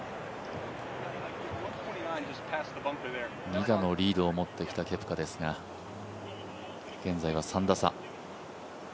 ２打のリードを持ってきたケプカですが、現在は３打差。